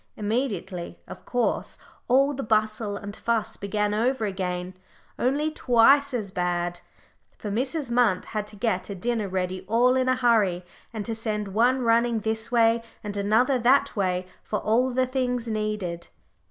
Immediately, of course, all the bustle and fuss began over again, only twice as bad; for Mrs. Munt had to get a dinner ready all in a hurry, and to send one running this way and another that way for all the things needed.